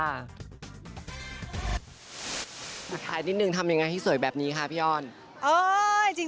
อาจารย์นิดหนึ่งทำอย่างไรที่สวยแบบนี้ค่ะพี่อ้อน